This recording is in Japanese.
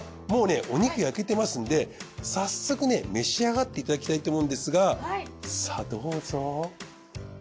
もうねお肉焼けてますんで早速召し上がっていただきたいと思うんですがさあどうぞ。